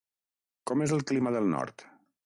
Com és el clima del nord?